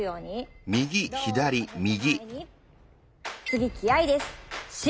次気合いです。